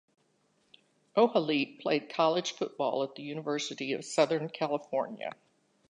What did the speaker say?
Ohalete played college football at the University of Southern California.